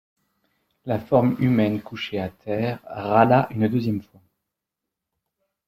La forme humaine couchée à terre râla une deuxième fois.